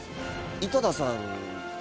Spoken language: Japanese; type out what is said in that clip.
井戸田さん